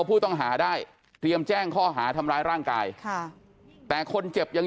ผู้ต้องหาได้เตรียมแจ้งข้อหาทำร้ายร่างกายค่ะแต่คนเจ็บยัง